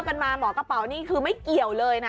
เพราะฉะนั้นก็คือมันมีลัพพึง